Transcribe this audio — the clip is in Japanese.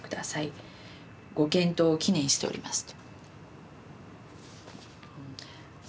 ご健闘を祈念しております」と。